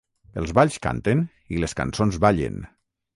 Els balls canten i les cançons ballen.